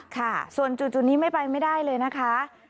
ค่ะส่วนจุดนี้ไม่ไปไม่ได้เลยนะคะ